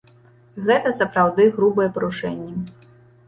Гэта сапраўды грубыя парушэнні.